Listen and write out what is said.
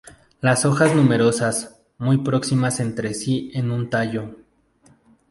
Las hojas numerosas, muy próximas entre sí en un tallo.